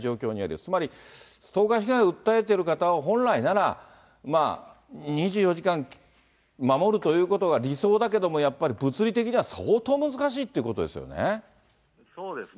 つまり、ストーカー被害を訴える方は、本来なら、２４時間守るということが理想だけども、やっぱり物理的には相当難しいっていうことですよね。